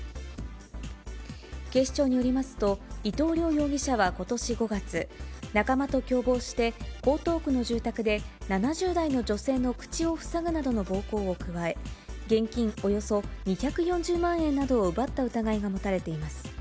警視庁によりますと、伊藤亮容疑者はことし５月、仲間と共謀して、江東区の住宅で、７０代の女性の口を塞ぐなどの暴行を加え、現金およそ２４０万円などを奪った疑いが持たれています。